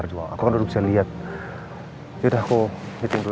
yang perlu saya lihat itu